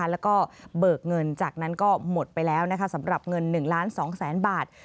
แล้วก็เบิกเงินจากนั้นก็หมดไปแล้วสำหรับเงิน๑ล้าน๒แสนบาท